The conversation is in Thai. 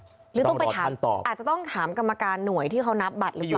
หรือต้องไปถามต่ออาจจะต้องถามกรรมการหน่วยที่เขานับบัตรหรือเปล่า